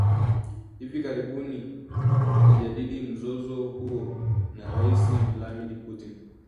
hivi karibuni kujadili mzozo huo na rais Vladmir Putin